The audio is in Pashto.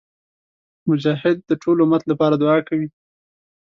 مجاهد د ټول امت لپاره دعا کوي.